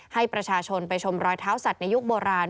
ให้ประชาชนไปชมรอยเท้าสัตว์ในยุคโบราณ